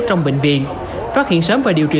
trong bệnh viện phát hiện sớm và điều trị